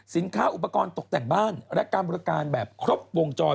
สินค้าอุปกรณ์ตกแต่งบ้านและการบูรการแบบครบวงจอย